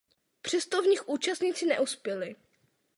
Přesto v nich účastníci neuspěli.